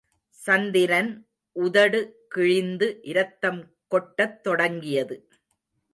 சந்திரன் உதடு கிழிந்து இரத்தம்கொட்டத் தொடங்கியது.